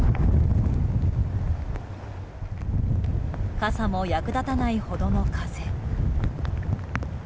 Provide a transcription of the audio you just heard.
傘も役立たないほどの風。